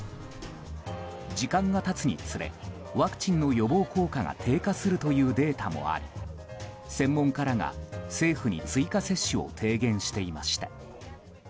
時間が経つにつれワクチンの予防効果が低下するというデータもあり専門家らが政府に追加接種を提言していました。